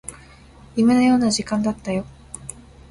夢のような時間だったよ